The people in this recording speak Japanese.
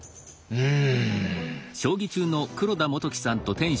うん。